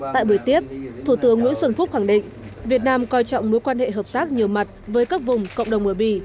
tại buổi tiếp thủ tướng nguyễn xuân phúc khẳng định việt nam coi trọng mối quan hệ hợp tác nhiều mặt với các vùng cộng đồng ở bỉ